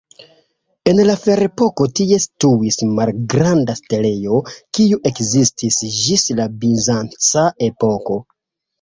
En la Ferepoko tie situis malgranda setlejo, kiu ekzistis ĝis la bizanca epoko.